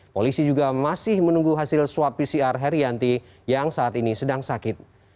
polisi juga masih menunggu hasil swab pcr herianti yang saat ini sedang sakit